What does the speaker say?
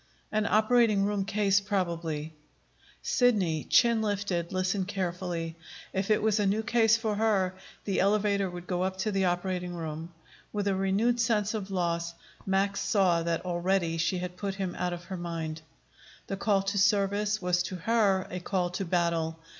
An operating room case, probably. Sidney, chin lifted, listened carefully. If it was a case for her, the elevator would go up to the operating room. With a renewed sense of loss, Max saw that already she had put him out of her mind. The call to service was to her a call to battle.